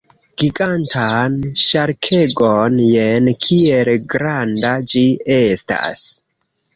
Gigantan ŝarkegon! Jen kiel granda ĝi estas!